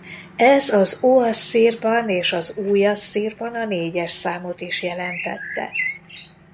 Ez az óasszírban és az újasszírban a négyes számot is jelentette.